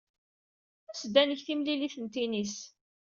As-d ad neg timlilit n tennis.